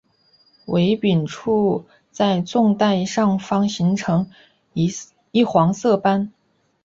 尾柄处在纵带上方形成一黄色斑。